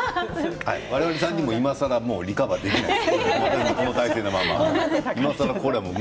我々３人はいまさらリカバーできないです。